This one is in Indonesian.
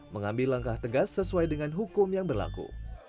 mengambil langkah tegas sesuai dengan hukum yang berlaku